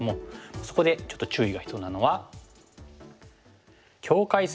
そこでちょっと注意が必要なのは。